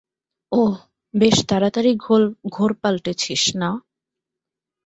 ওহ, বেশ তাড়াতাড়ি ঘোর পাল্টেছিস, না?